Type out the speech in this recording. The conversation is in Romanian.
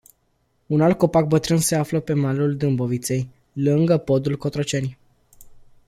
Un alt copac bătrân se află pe malul Dâmboviței, lângă podul Cotroceni.